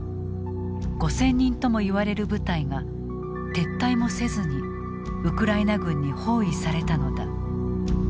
５，０００人ともいわれる部隊が撤退もせずにウクライナ軍に包囲されたのだ。